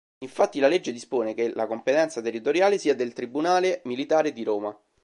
Infatti, la legge dispone che la competenza territoriale sia del Tribunale militare di Roma.